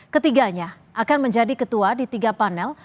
ketiganya akan menjadi ketua di tiga panel